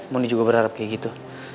moni juga berharap kayak gitu